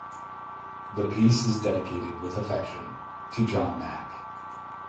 The piece is dedicated "with affection" to John Mack.